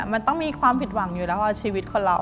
มันต้องมีความผิดหวังอยู่แล้วว่าชีวิตคนเรา